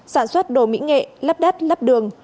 sản xuất đồ mỹ nghệ lấp đất lấp đường